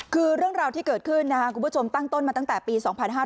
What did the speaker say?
คือเรื่องราวที่เกิดขึ้นนะครับคุณผู้ชมตั้งต้นมาตั้งแต่ปี๒๕๕๙